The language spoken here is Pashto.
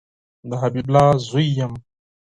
د حبیب الله زوی یم